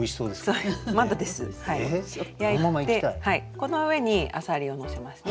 この上にあさりをのせますね。